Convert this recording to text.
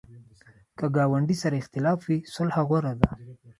که ګاونډي سره اختلاف وي، صلح غوره ده